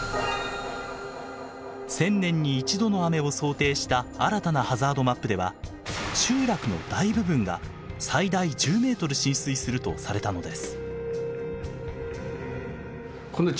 １０００年に１度の雨を想定した新たなハザードマップでは集落の大部分が最大１０ｍ浸水するとされたのです。